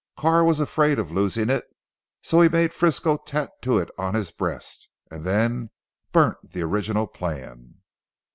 Carr was afraid of losing it, so he made Frisco tattoo it on his breast, and then burnt the original plan."